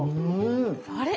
あれ？